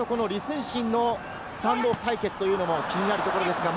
松田と李承信のスタンドオフ対決というのも気になるところです。